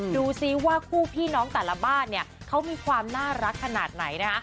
ดูซิว่าคู่พี่น้องแต่ละบ้านเนี่ยเขามีความน่ารักขนาดไหนนะคะ